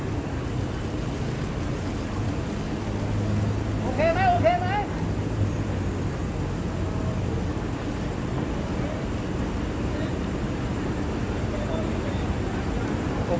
คุณอยู่ในโรงพยาบาลนะ